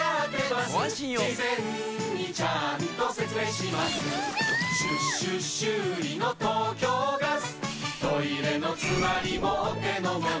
しゅ・しゅ・修理の東京ガストイレのつまりもお手のもの